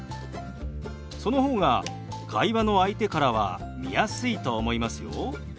その方が会話の相手からは見やすいと思いますよ。